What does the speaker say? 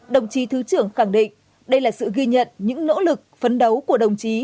đồng chí thứ trưởng khẳng định đây là sự ghi nhận những nỗ lực phấn đấu của đồng chí